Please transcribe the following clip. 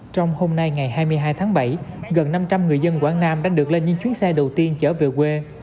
trong hôm nay ngày hai mươi hai tháng bảy gần năm trăm linh người dân quảng nam đã được lên những chuyến xe đầu tiên trở về quê